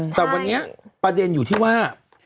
แต่วันนี้ประเด็นอยู่ที่ว่า